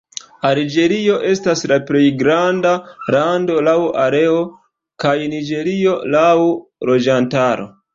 Alĝerio estas la plej granda lando laŭ areo, kaj Niĝerio laŭ loĝantaro.